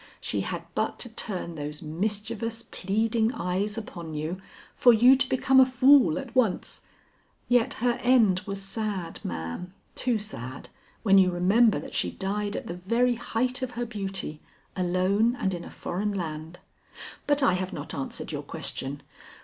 She had but to turn those mischievous, pleading eyes upon you for you to become a fool at once. Yet her end was sad, ma'am; too sad, when you remember that she died at the very height of her beauty alone and in a foreign land. But I have not answered your question.